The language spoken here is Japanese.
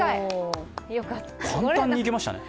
簡単にいけましたね。